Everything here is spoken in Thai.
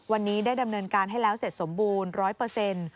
วันนี้ได้ดำเนินการให้แล้วเสร็จสมบูรณ์๑๐๐